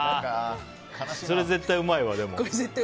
それ、絶対うまいわ。